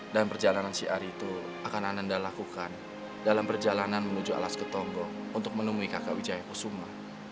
dan perjalanan siar itu akan ananda lakukan dalam perjalanan menuju alas ketonggu untuk menemui kakak wijaya kusuma